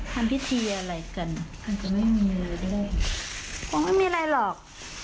ทำพิธีอะไรกันมันจะไม่มีเลยคงไม่มีอะไรหรอก